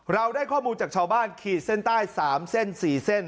เราได้ข้อมูลจากชาวบ้านขีดเส้นใต้๓เส้น๔เส้น